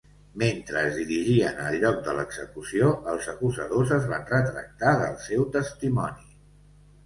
Mentre es dirigien al lloc de l'execució, els acusadors es van retractar del seu testimoni.